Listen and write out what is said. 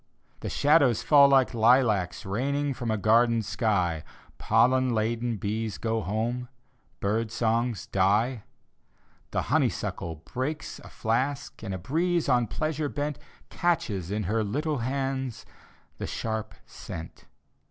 The shadows fall like lilacs Raining from a garden sky. Pollen laden bees go home, Bird songs die. The honeysuckle breaks a flask. And a breeze, on pleasure bent, Catches in her little hands The sharp scent.